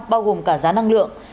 bao gồm cả giá năng lượng